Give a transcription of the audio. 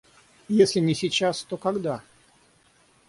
Если не сейчас, то когда?